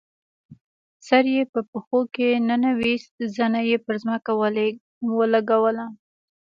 سر یې په پښو کې ننویست، زنه یې پر ځمکه ولګوله.